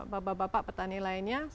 bapak bapak petani lainnya